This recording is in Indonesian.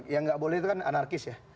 yang nggak boleh itu kan anarkis ya